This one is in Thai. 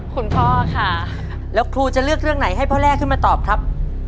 คุณพ่อค่ะแล้วครูจะเลือกเรื่องไหนให้พ่อแรกขึ้นมาตอบครับ